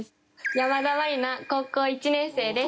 山田真理奈高校１年生です。